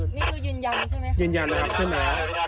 นี่คือยืนยันใช่ไหมยืนยันนะครับใช่ไหมโดน